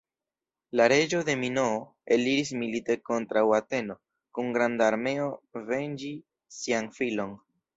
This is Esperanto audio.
La reĝo Minoo eliris milite kontraŭ Ateno kun granda armeo venĝi sian filon.